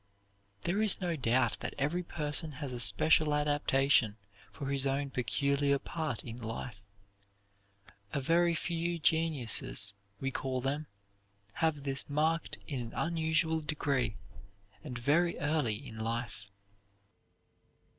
There is no doubt that every person has a special adaptation for his own peculiar part in life. A very few geniuses, we call them have this marked in an unusual degree, and very early in life.